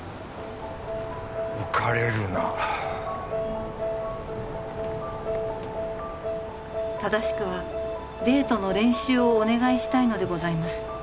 浮かれるな「正しくはデートの練習をお願いしたいのでございます」